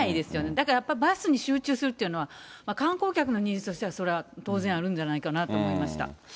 だからやっぱりバスに集中するというのは観光客のニーズとしては、それは当然あるんじゃないかなと思いました。